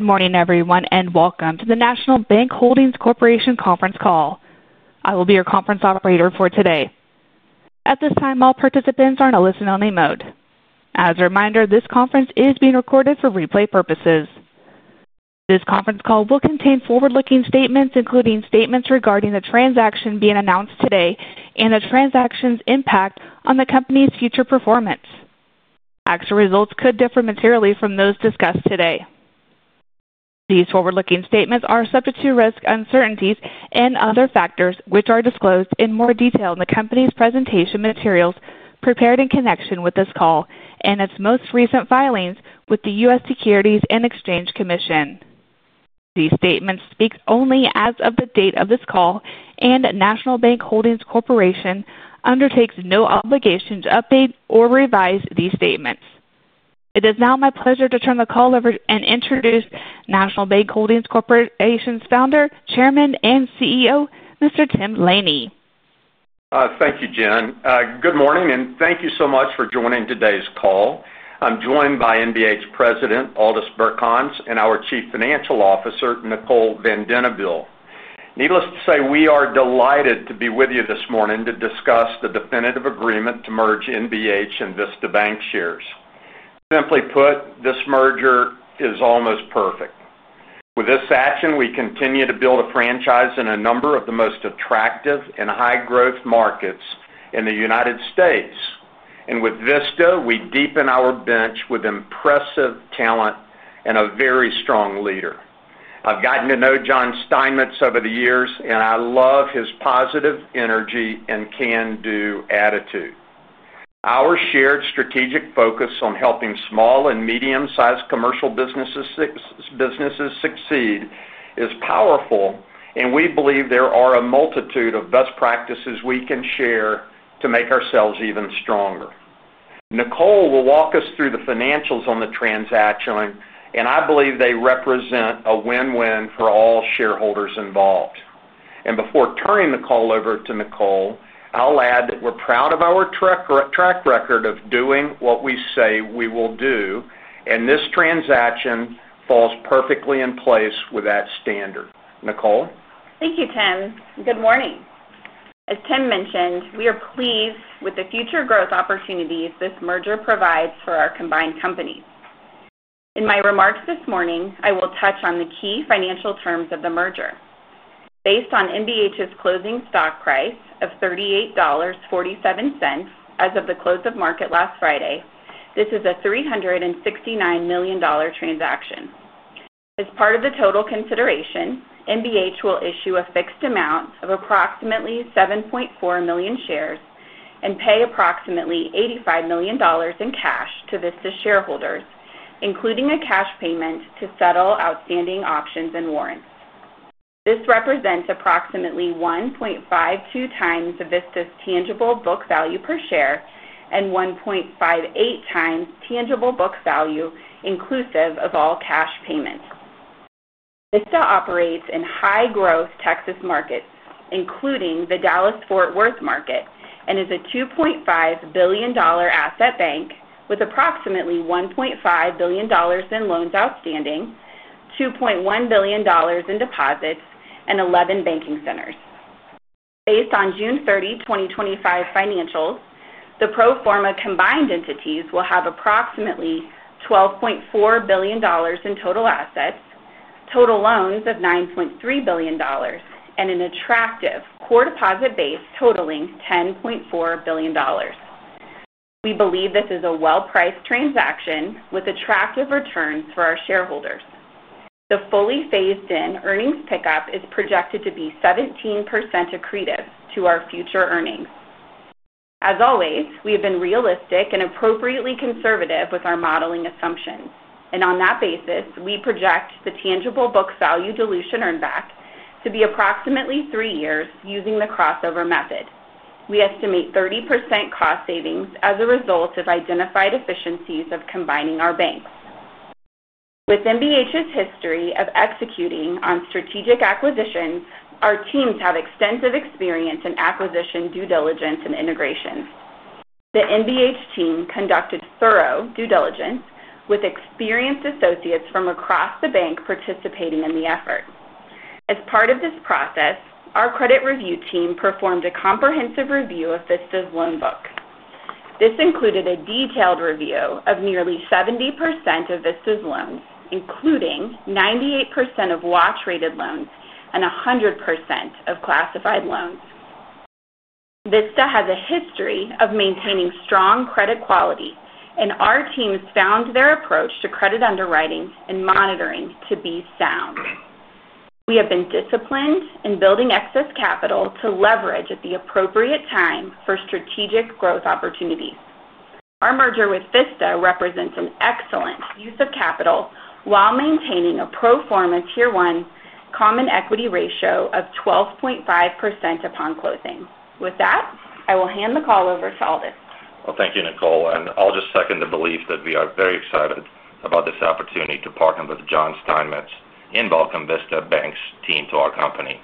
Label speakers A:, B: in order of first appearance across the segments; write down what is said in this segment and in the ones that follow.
A: Morning everyone, and welcome to the National Bank Holdings Corporation conference call. I will be your conference operator for today. At this time, all participants are in a listen-only mode. As a reminder, this conference is being recorded for replay purposes. This conference call will contain forward-looking statements, including statements regarding the transaction being announced today and the transaction's impact on the company's future performance. Actual results could differ materially from those discussed today. These forward-looking statements are subject to risk, uncertainties, and other factors, which are disclosed in more detail in the company's presentation materials prepared in connection with this call and its most recent filings with the U.S. Securities and Exchange Commission. These statements speak only as of the date of this call, and National Bank Holdings Corporation undertakes no obligation to update or revise these statements. It is now my pleasure to turn the call over and introduce National Bank Holdings Corporation's Founder, Chairman, and CEO, Mr. Tim Laney.
B: Thank you, Jean. Good morning, and thank you so much for joining today's call. I'm joined by NBH President Aldis Birkans and our Chief Financial Officer, Nicole van den Nibel. Needless to say, we are delighted to be with you this morning to discuss the definitive agreement to merge NBH and Vista Bank Shares. Simply put, this merger is almost perfect. With this action, we continue to build a franchise in a number of the most attractive and high-growth markets in the United States. With Vista, we deepen our bench with impressive talent and a very strong leader. I've gotten to know John Steinmetz over the years, and I love his positive energy and can-do attitude. Our shared strategic focus on helping small and medium-sized commercial businesses succeed is powerful, and we believe there are a multitude of best practices we can share to make ourselves even stronger. Nicole will walk us through the financials on the transaction, and I believe they represent a win-win for all shareholders involved. Before turning the call over to Nicole, I'll add that we're proud of our track record of doing what we say we will do, and this transaction falls perfectly in place with that standard. Nicole?
C: Thank you, Tim. Good morning. As Tim mentioned, we are pleased with the future growth opportunities this merger provides for our combined company. In my remarks this morning, I will touch on the key financial terms of the merger. Based on NBH's closing stock price of $38.47 as of the close of market last Friday, this is a $369 million transaction. As part of the total consideration, NBH will issue a fixed amount of approximately 7.4 million shares and pay approximately $85 million in cash to Vista shareholders, including a cash payment to settle outstanding options and warrants. This represents approximately 1.52 times Vista's tangible book value per share and 1.58 times tangible book value inclusive of all cash payment. Vista operates in high-growth Texas markets, including the Dallas-Fort Worth market, and is a $2.5 billion asset bank with approximately $1.5 billion in loans outstanding, $2.1 billion in deposits, and 11 banking centers. Based on June 30, 2025 financials, the pro forma combined entities will have approximately $12.4 billion in total assets, total loans of $9.3 billion, and an attractive core deposit base totaling $10.4 billion. We believe this is a well-priced transaction with attractive returns for our shareholders. The fully phased-in earnings pickup is projected to be 17% accretive to our future earnings. As always, we have been realistic and appropriately conservative with our modeling assumptions, and on that basis, we project the tangible book value dilution earned back to be approximately three years using the crossover method. We estimate 30% cost savings as a result of identified efficiencies of combining our banks. With NBH's history of executing on strategic acquisitions, our teams have extensive experience in acquisition due diligence and integrations. The NBH team conducted thorough due diligence with experienced associates from across the bank participating in the effort. As part of this process, our credit review team performed a comprehensive review of Vista's loan book. This included a detailed review of nearly 70% of Vista's loans, including 98% of watch-rated loans and 100% of classified loans. Vista has a history of maintaining strong credit quality, and our teams found their approach to credit underwriting and monitoring to be sound. We have been disciplined in building excess capital to leverage at the appropriate time for strategic growth opportunities. Our merger with Vista represents an excellent use of capital while maintaining a pro forma tier one common equity ratio of 12.5% upon closing. With that, I will hand the call over to Aldis.
D: Thank you, Nicole, and I'll just second the belief that we are very excited about this opportunity to partner with John Steinmetz and welcome Vista Bank's team to our company.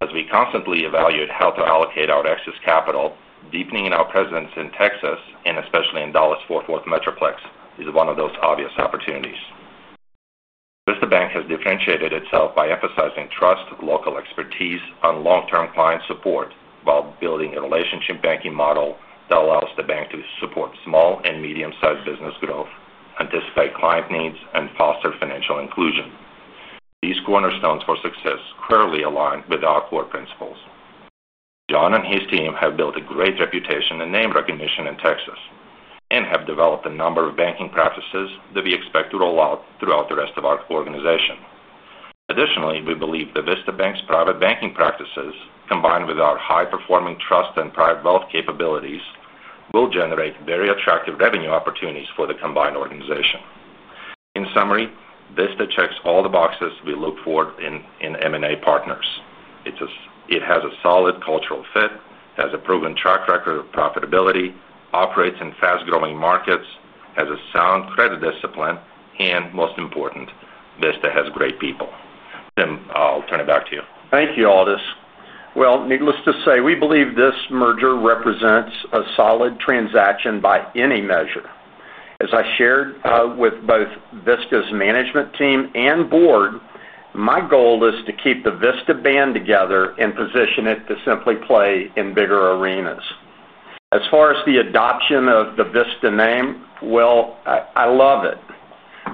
D: As we constantly evaluate how to allocate our excess capital, deepening our presence in Texas and especially in the Dallas-Fort Worth metroplex, these are one of those obvious opportunities. Vista Bank has differentiated itself by emphasizing trust, local expertise, and long-term client support, while building a relationship banking model that allows the bank to support small and medium-sized business growth, anticipate client needs, and foster financial inclusion. These cornerstones for success clearly align with our core principles. John and his team have built a great reputation and name recognition in Texas and have developed a number of banking practices that we expect to roll out throughout the rest of our organization. Additionally, we believe that Vista Bank's private banking practices, combined with our high-performing trust and private wealth capabilities, will generate very attractive revenue opportunities for the combined organization. In summary, Vista checks all the boxes we look for in M&A partners. It has a solid cultural fit, has a proven track record of profitability, operates in fast-growing markets, has a sound credit discipline, and most important, Vista has great people. Tim, I'll turn it back to you.
B: Thank you, Aldis. Needless to say, we believe this merger represents a solid transaction by any measure. As I shared with both Vista's management team and board, my goal is to keep the Vista band together and position it to simply play in bigger arenas. As far as the adoption of the Vista name, I love it.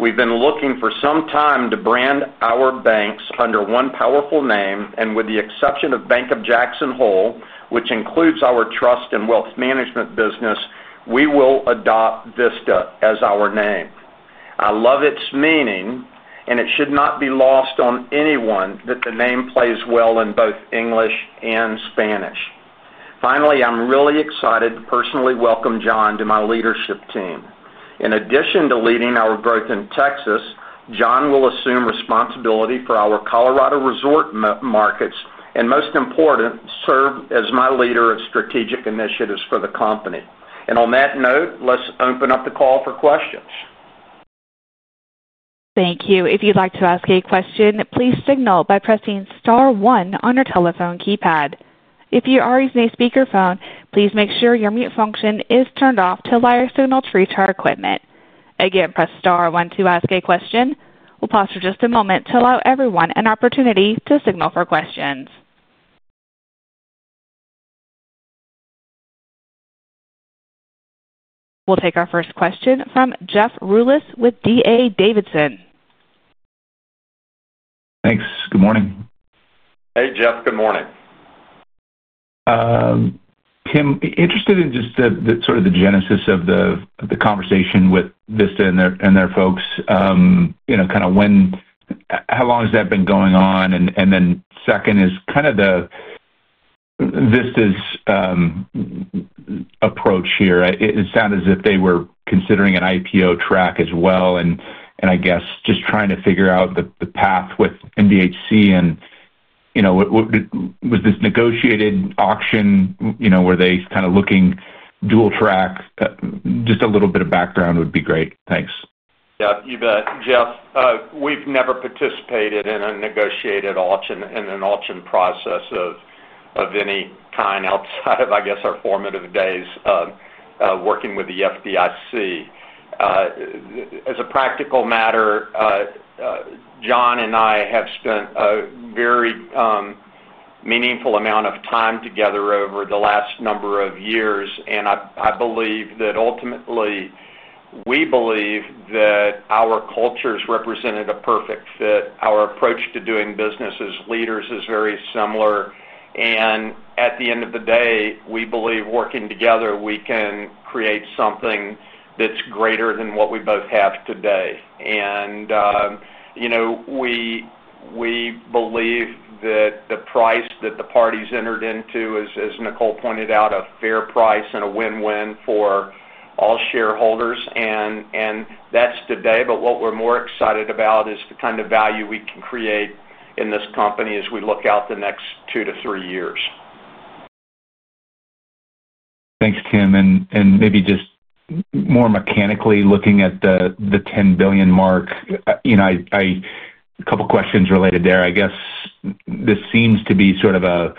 B: We've been looking for some time to brand our banks under one powerful name, and with the exception of Bank of Jackson Hole, which includes our trust and wealth management business, we will adopt Vista as our name. I love its meaning, and it should not be lost on anyone that the name plays well in both English and Spanish. Finally, I'm really excited to personally welcome John to my leadership team. In addition to leading our growth in Texas, John will assume responsibility for our Colorado resort markets and, most important, serve as my leader of strategic initiatives for the company. On that note, let's open up the call for questions.
A: Thank you. If you'd like to ask a question, please signal by pressing star one on your telephone keypad. If you are using a speaker phone, please make sure your mute function is turned off to allow your signal to reach our equipment. Again, press star one to ask a question. We'll pause for just a moment to allow everyone an opportunity to signal for questions. We'll take our first question from Jeff Rulis with D.A. Davidson.
E: Thanks. Good morning.
B: Hey, Jeff. Good morning.
E: Tim, interested in just the sort of the genesis of the conversation with Vista and their folks. You know, kind of when, how long has that been going on? Second is kind of the Vista's approach here. It sounded as if they were considering an IPO track as well, and I guess just trying to figure out the path with NBH. You know, was this negotiated auction? Were they kind of looking dual track? Just a little bit of background would be great. Thanks.
B: Yeah, you bet, Jeff. We've never participated in a negotiated auction in an auction process of any kind outside of, I guess, our formative days working with the FDIC. As a practical matter, John and I have spent a very meaningful amount of time together over the last number of years, and I believe that ultimately we believe that our cultures represented a perfect fit. Our approach to doing business as leaders is very similar, and at the end of the day, we believe working together we can create something that's greater than what we both have today. You know, we believe that the price that the parties entered into, as Nicole pointed out, a fair price and a win-win for all shareholders, and that's today. What we're more excited about is the kind of value we can create in this company as we look out the next two to three years.
E: Thanks, Tim. Maybe just more mechanically looking at the $10 billion mark, a couple of questions related there. This seems to be sort of a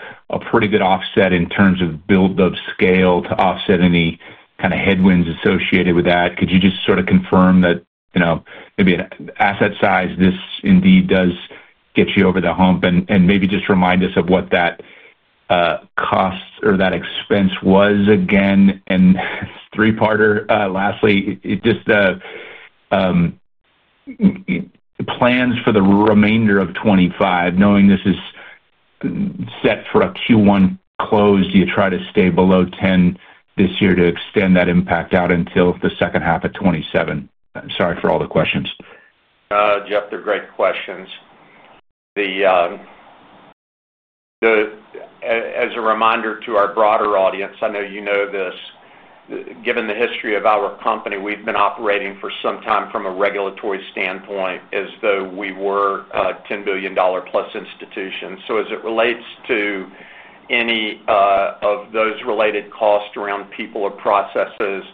E: pretty good offset in terms of build-up scale to offset any kind of headwinds associated with that. Could you just sort of confirm that maybe an asset size, this indeed does get you over the hump? Maybe just remind us of what that cost or that expense was again. Lastly, just the plans for the remainder of 2025, knowing this is set for a Q1 close, do you try to stay below $10 billion this year to extend that impact out until the second half of 2027? I'm sorry for all the questions.
B: Jeff, they're great questions. As a reminder to our broader audience, I know you know this, given the history of our company, we've been operating for some time from a regulatory standpoint as though we were a $10 billion-plus institution. As it relates to any of those related costs around people or processes,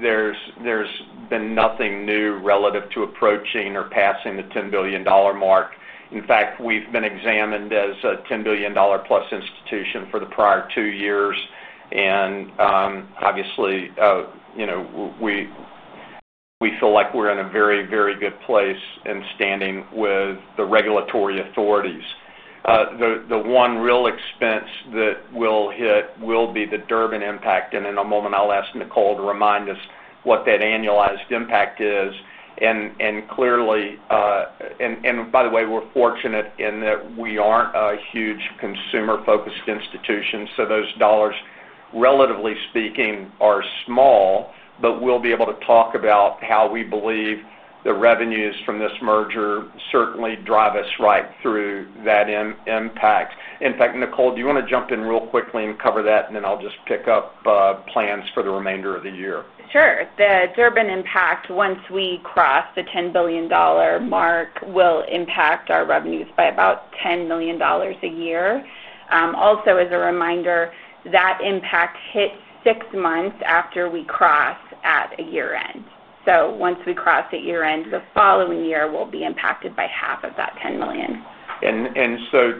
B: there's been nothing new relative to approaching or passing the $10 billion mark. In fact, we've been examined as a $10 billion-plus institution for the prior two years, and obviously, you know, we feel like we're in a very, very good place in standing with the regulatory authorities. The one real expense that we'll hit will be the Durbin impact, and in a moment, I'll ask Nicole to remind us what that annualized impact is. Clearly, and by the way, we're fortunate in that we aren't a huge consumer-focused institution, so those dollars, relatively speaking, are small, but we'll be able to talk about how we believe the revenues from this merger certainly drive us right through that impact. In fact, Nicole, do you want to jump in real quickly and cover that, and then I'll just pick up plans for the remainder of the year?
C: Sure. The Durbin impact, once we cross the $10 billion mark, will impact our revenues by about $10 million a year. Also, as a reminder, that impact hits six months after we cross at a year-end. Once we cross the year-end, the following year will be impacted by half of that $10 million.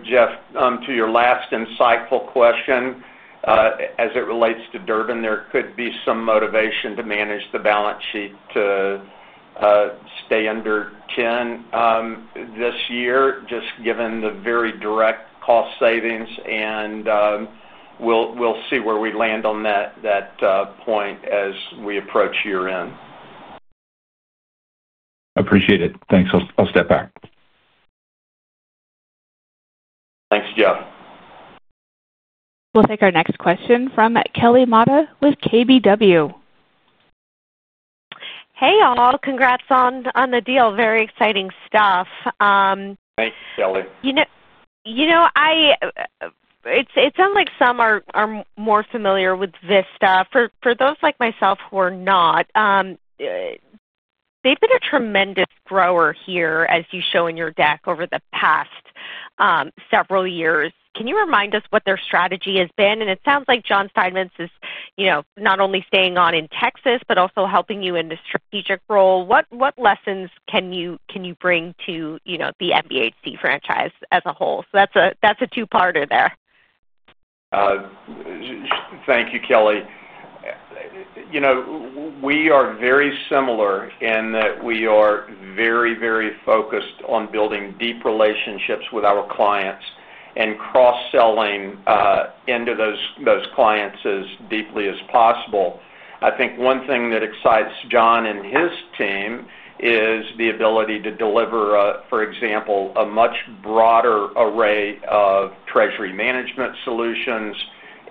B: Jeff, to your last insightful question, as it relates to the Durbin Amendment, there could be some motivation to manage the balance sheet to stay under $10 billion this year, just given the very direct cost savings, and we'll see where we land on that point as we approach year-end.
E: Appreciate it. Thanks. I'll step back.
B: Thanks, Jeff.
A: We'll take our next question from Kelly Motta with KBW.
F: Hey, all. Congrats on the deal. Very exciting stuff.
B: Thanks, Kelly.
F: It sounds like some are more familiar with Vista. For those like myself who are not, they've been a tremendous grower here, as you show in your deck over the past several years. Can you remind us what their strategy has been? It sounds like John Steinmetz is not only staying on in Texas, but also helping you in the strategic role. What lessons can you bring to the NBH franchise as a whole? That's a two-parter there.
B: Thank you, Kelly. You know, we are very similar in that we are very, very focused on building deep relationships with our clients and cross-selling into those clients as deeply as possible. I think one thing that excites John and his team is the ability to deliver, for example, a much broader array of treasury management solutions,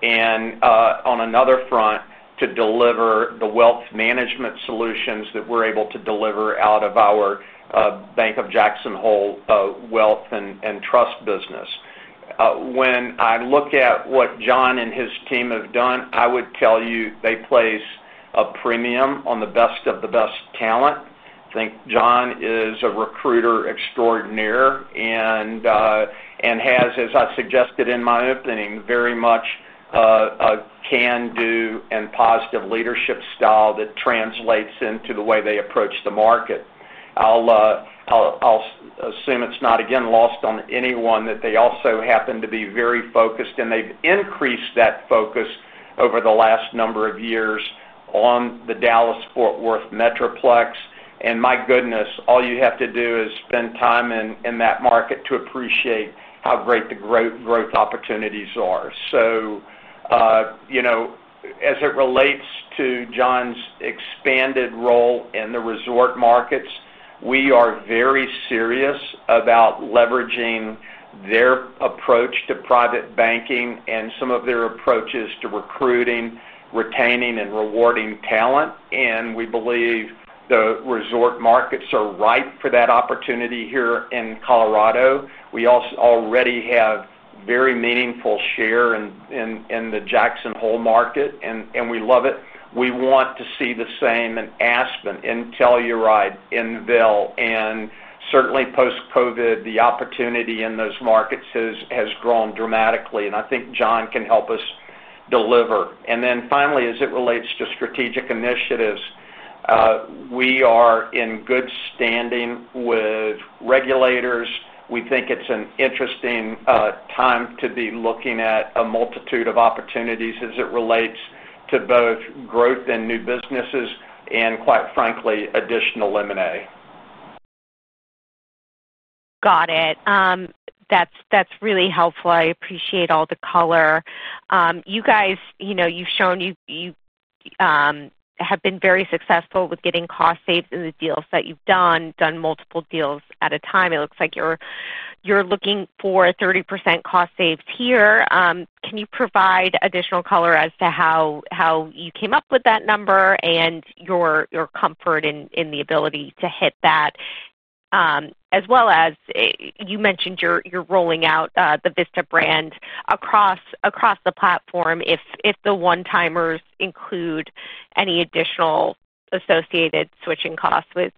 B: and on another front, to deliver the wealth management solutions that we're able to deliver out of our Bank of Jackson Hole wealth and trust business. When I look at what John and his team have done, I would tell you they place a premium on the best of the best talent. I think John is a recruiter extraordinaire and has, as I suggested in my opening, very much a can-do and positive leadership style that translates into the way they approach the market. I assume it's not, again, lost on anyone that they also happen to be very focused, and they've increased that focus over the last number of years on the Dallas-Fort Worth metroplex. My goodness, all you have to do is spend time in that market to appreciate how great the growth opportunities are. As it relates to John's expanded role in the resort markets, we are very serious about leveraging their approach to private banking and some of their approaches to recruiting, retaining, and rewarding talent. We believe the resort markets are ripe for that opportunity here in Colorado. We also already have very meaningful share in the Jackson Hole market, and we love it. We want to see the same in Aspen, in Telluride, in Vail, and certainly post-COVID, the opportunity in those markets has grown dramatically, and I think John can help us deliver. Finally, as it relates to strategic initiatives, we are in good standing with regulators. We think it's an interesting time to be looking at a multitude of opportunities as it relates to both growth and new businesses and, quite frankly, additional M&A.
F: Got it. That's really helpful. I appreciate all the color. You guys, you know, you've shown you have been very successful with getting cost saved in the deals that you've done, done multiple deals at a time. It looks like you're looking for 30% cost saves here. Can you provide additional color as to how you came up with that number and your comfort in the ability to hit that, as well as you mentioned you're rolling out the Vista brand across the platform if the one-timers include any additional associated switching costs with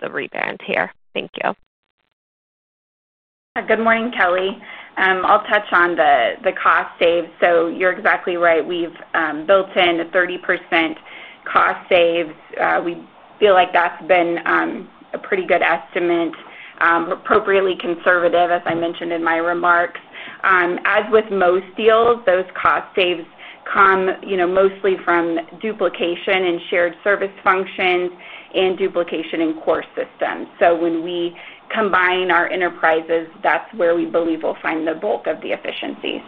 F: the rebrand here. Thank you.
C: Good morning, Kelly. I'll touch on the cost saves. You're exactly right. We've built in 30% cost saves. We feel like that's been a pretty good estimate, appropriately conservative, as I mentioned in my remarks. As with most deals, those cost saves come mostly from duplication in shared service functions and duplication in core systems. When we combine our enterprises, that's where we believe we'll find the bulk of the efficiencies.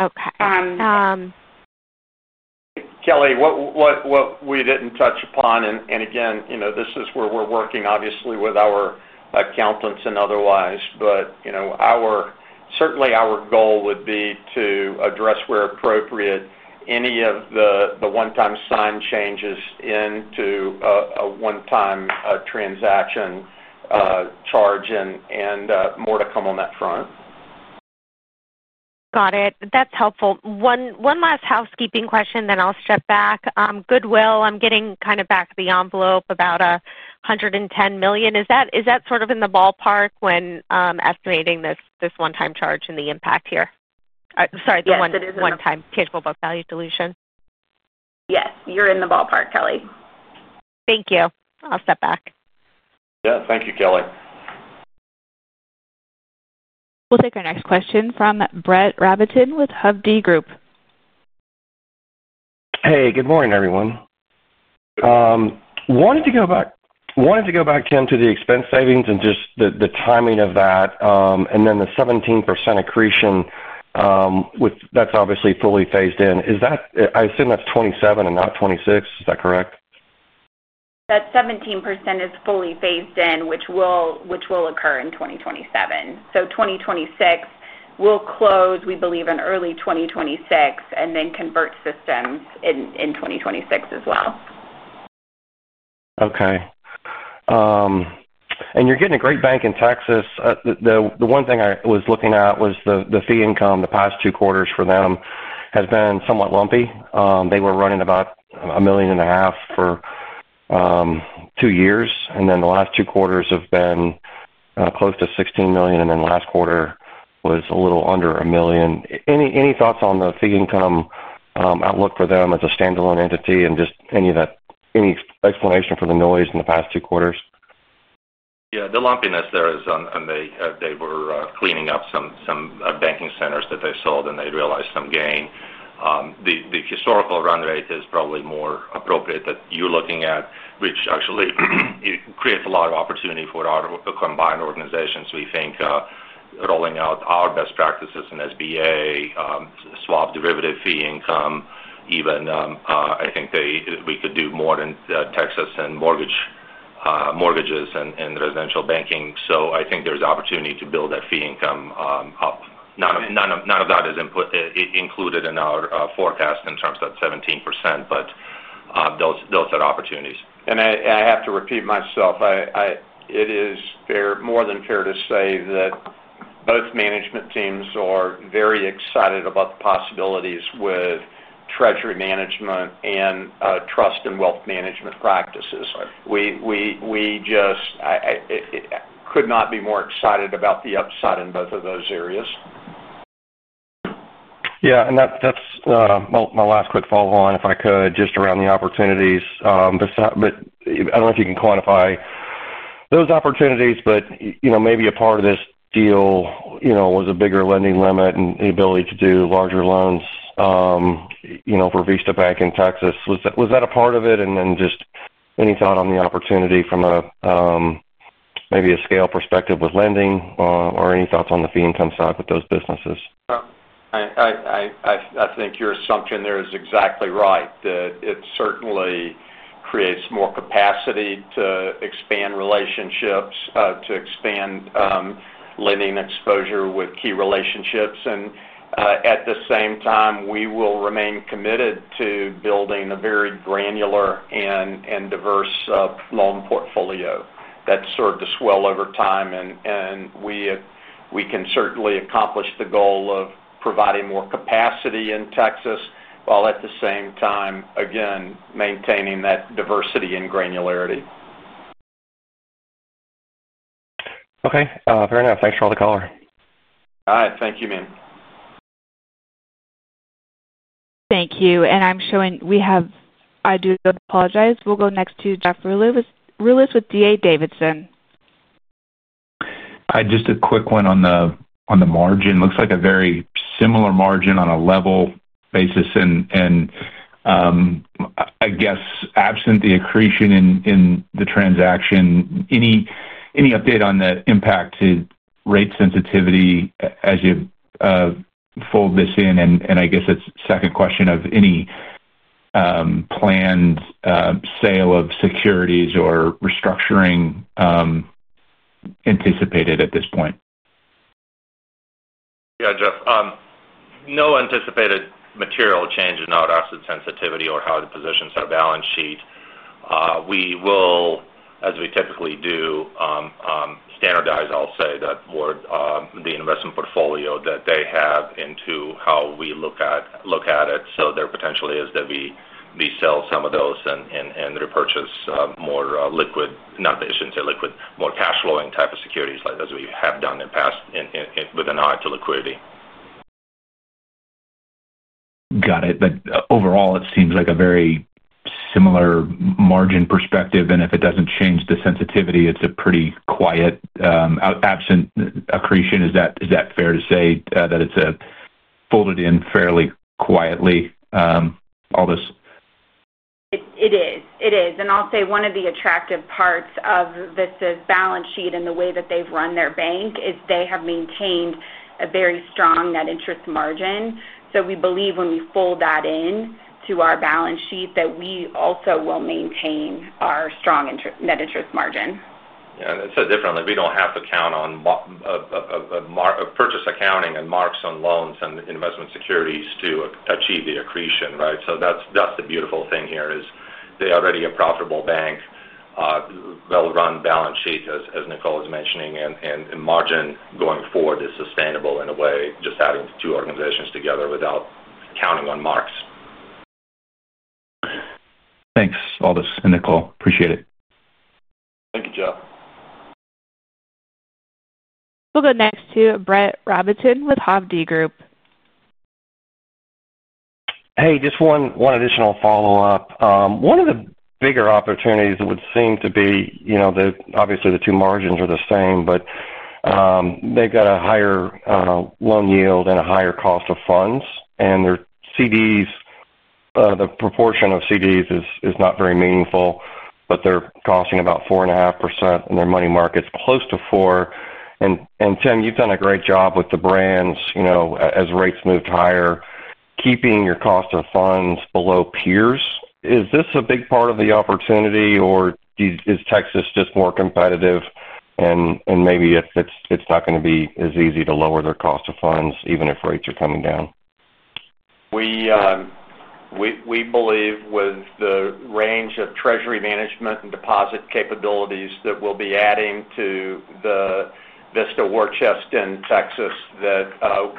F: Okay.
B: Kelly, what we didn't touch upon, and again, this is where we're working, obviously, with our accountants and otherwise, but certainly our goal would be to address where appropriate any of the one-time sign changes into a one-time transaction charge, and more to come on that front.
F: Got it. That's helpful. One last housekeeping question, then I'll step back. Goodwill, I'm getting kind of back of the envelope about $110 million. Is that sort of in the ballpark when estimating this one-time charge and the impact here? Sorry, the one-time tangible book value dilution?
C: Yes, you're in the ballpark, Kelly.
F: Thank you. I'll step back.
B: Yeah, thank you, Kelly.
A: We'll take our next question from Brett Rabatin with Hovde Group.
G: Hey, good morning, everyone. Wanted to go back, Tim, to the expense savings and just the timing of that, and then the 17% accretion, which that's obviously fully phased in. Is that, I assume that's 2027 and not 2026. Is that correct?
C: That 17% is fully phased in, which will occur in 2027. We believe we'll close in early 2026 and then convert systems in 2026 as well.
G: Okay. You're getting a great bank in Texas. The one thing I was looking at was the fee income the past two quarters for them has been somewhat lumpy. They were running about $1.5 million for two years, and then the last two quarters have been close to $16 million, and the last quarter was a little under $1 million. Any thoughts on the fee income outlook for them as a standalone entity, and any explanation for the noise in the past two quarters?
D: Yeah, the lumpiness there is on they were cleaning up some banking centers that they sold, and they realized some gain. The historical run rate is probably more appropriate that you're looking at, which actually creates a lot of opportunity for our combined organizations. We think rolling out our best practices in SBA, swap derivative fee income, even I think we could do more than Texas in mortgages and residential banking. I think there's opportunity to build that fee income up. None of that is included in our forecast in terms of that 17%, but those are opportunities.
B: It is more than fair to say that both management teams are very excited about the possibilities with treasury management and trust and wealth management practices. We just could not be more excited about the upside in both of those areas.
G: Yeah, that's my last quick follow-on, if I could, just around the opportunities. I don't know if you can quantify those opportunities, but maybe a part of this deal was a bigger lending limit and the ability to do a larger loan for Vista Bank in Texas. Was that a part of it? Any thought on the opportunity from maybe a scale perspective with lending or any thoughts on the fee income side with those businesses?
B: I think your assumption there is exactly right, that it certainly creates more capacity to expand relationships, to expand lending exposure with key relationships. At the same time, we will remain committed to building a very granular and diverse loan portfolio that's served us well over time. We can certainly accomplish the goal of providing more capacity in Texas while at the same time, again, maintaining that diversity and granularity.
G: Okay. Fair enough. Thanks for all the color.
B: All right. Thank you.
A: Thank you. I'm showing we have, I do apologize. We'll go next to Jeff Rulis with DA Davidson.
E: Just a quick one on the margin. Looks like a very similar margin on a level basis. I guess absent the accretion in the transaction, any update on the impact to rate sensitivity as you fold this in? I guess that's the second question of any planned sale of securities or restructuring anticipated at this point.
D: Yeah, Jeff. No anticipated material change in out-asset sensitivity or how to position a set of balance sheet. We will, as we typically do, standardize, I'll say, that would be an investment portfolio that they have into how we look at it. There is potential that we sell some of those and repurchase more liquid, not that I shouldn't say liquid, more cash-flowing type of securities as we have done in the past with an eye to liquidity.
E: Got it. Overall, it seems like a very similar margin perspective. If it doesn't change the sensitivity, it's a pretty quiet, absent accretion. Is that fair to say that it's folded in fairly quietly, Aldis?
C: It is. One of the attractive parts of Vista Bank's balance sheet and the way that they've run their bank is they have maintained a very strong net interest margin. We believe when we fold that into our balance sheet that we also will maintain our strong net interest margin.
D: Yeah, differently, we don't have to count on purchase accounting and mark some loans and investment securities to achieve the accretion, right? That's the beautiful thing here. They already are a profitable bank. They'll run balance sheets, as Nicole was mentioning, and margin going forward is sustainable in a way, just adding two organizations together without counting on marks.
E: Thanks, Aldis and Nicole. Appreciate it.
B: Thank you, Jeff.
A: We'll go next to Brett Rabatin with Hovde Group.
G: Hey, just one additional follow-up. One of the bigger opportunities would seem to be, you know, obviously the two margins are the same, but they've got a higher loan yield and a higher cost of funds, and their CDs, the proportion of CDs is not very meaningful, but they're costing about 4.5% and their money market's close to 4%. Tim, you've done a great job with the brands, you know, as rates move higher, keeping your cost of funds below peers. Is this a big part of the opportunity, or is Texas just more competitive and maybe it's not going to be as easy to lower their cost of funds even if rates are coming down?
B: We believe with the range of treasury management and deposit capabilities that we'll be adding to the Vista Bank War Chest in Texas,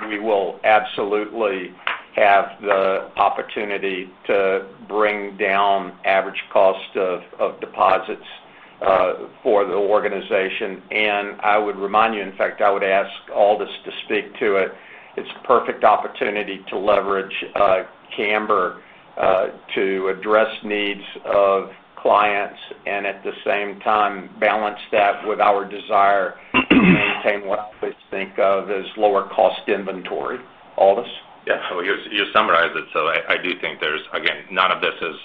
B: we will absolutely have the opportunity to bring down average cost of deposits for the organization. I would remind you, in fact, I would ask Aldis to speak to it. It's a perfect opportunity to leverage core deposits to address needs of clients and at the same time balance that with our desire to maintain what I always think of as lower cost inventory, Aldis?
D: Yeah, you summarized it. I do think there's, again, none of this is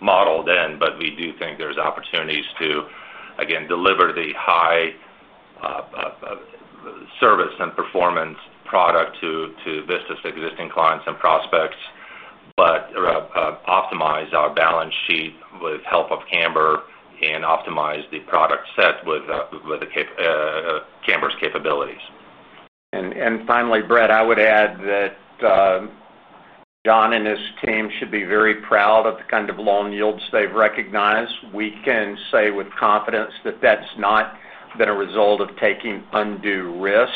D: modeled in, but we do think there's opportunities to deliver the high service and performance product to Vista's existing clients and prospects, and optimize our balance sheet with the help of Canberra and optimize the product set with Canberra's capabilities.
B: Finally, Brett, I would add that John and his team should be very proud of the kind of loan yields they've recognized. We can say with confidence that that's not been a result of taking undue risk.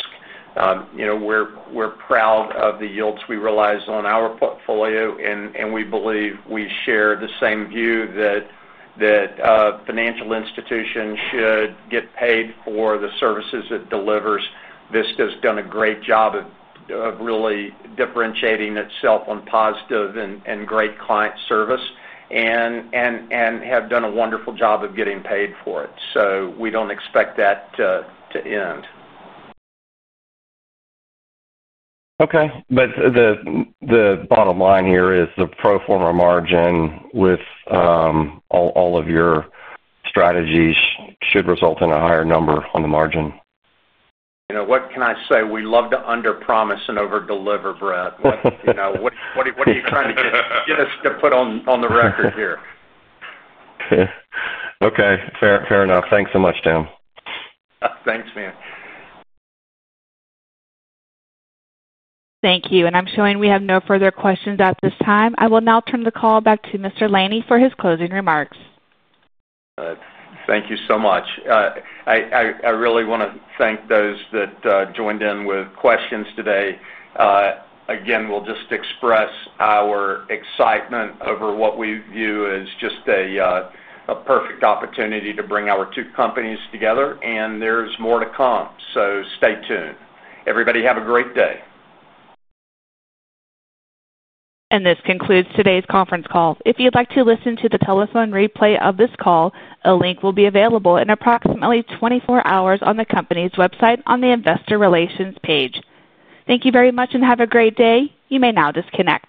B: We're proud of the yields we realize on our portfolio, and we believe we share the same view that financial institutions should get paid for the services it delivers. Vista's done a great job of really differentiating itself on positive and great client service and have done a wonderful job of getting paid for it. We don't expect that to end.
G: Okay. The bottom line here is the pro forma margin with all of your strategies should result in a higher number on the margin.
B: You know, what can I say? We love to under-promise and over-deliver, Brett. What are you trying to get us to put on the record here?
G: Okay. Fair enough. Thanks so much, Tim.
B: Thanks, man.
A: Thank you. I'm showing we have no further questions at this time. I will now turn the call back to Mr. Laney for his closing remarks.
B: Thank you so much. I really want to thank those that joined in with questions today. Again, we'll just express our excitement over what we view as just a perfect opportunity to bring our two companies together, and there's more to come. Stay tuned. Everybody, have a great day.
A: This concludes today's conference call. If you'd like to listen to the telephone replay of this call, a link will be available in approximately 24 hours on the company's website on the investor relations page. Thank you very much and have a great day. You may now disconnect.